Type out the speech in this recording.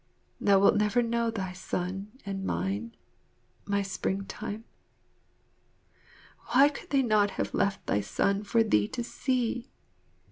Thou wilt never know thy son and mine, my Springtime. Why could they not have left thy son for thee to see?